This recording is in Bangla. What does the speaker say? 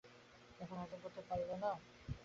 এখন হজম করতে পারলে হয়।